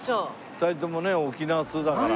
２人ともね沖縄通だから。